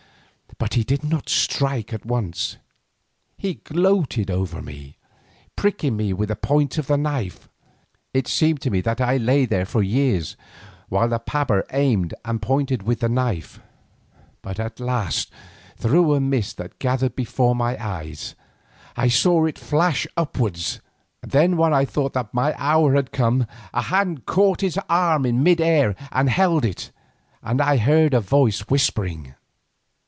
But he did not strike at once, he gloated over me, pricking me with the point of the knife. It seemed to me that I lay there for years while the paba aimed and pointed with the knife, but at last through a mist that gathered before my eyes, I saw it flash upward. Then when I thought that my hour had come, a hand caught his arm in mid air and held it and I heard a voice whispering.